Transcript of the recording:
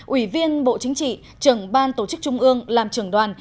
ủy viên bộ chính trị trưởng ban tổ chức trung ương làm trưởng đoàn